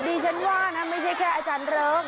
ดิฉันว่านะไม่ใช่แค่อาจารย์เริก